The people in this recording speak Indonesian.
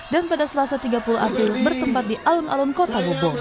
dan pada selasa tiga puluh april bertempat di alun alun kota bobong